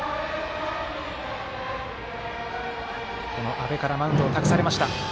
阿部からマウンドを託されました